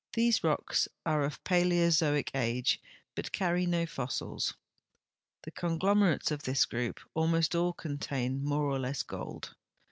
23 THE WITWATERSRAND AXD 350 rocks are of Paleozoic age, but carry no fossils. The conglom erates of this group almost all contain more or less gold.